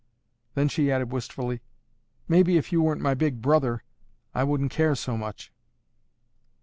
Then she added wistfully, "Maybe if you weren't my Big Brother, I wouldn't care so much."